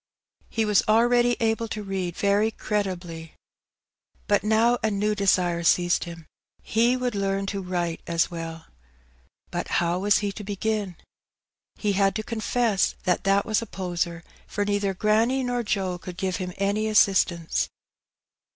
He was already able to read very creditably. But now a new desire seized him — he would learn to write as well. But how was he to begin? He had to confess that that was a poser, for neither granny nor Joe could give him any assistance.